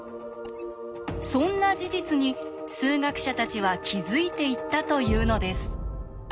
そんな事実に数学者たちは気付いていったというのです。